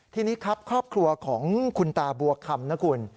ทีนี้ครับครอบครัวของคุณตาบัวคำนะคุณ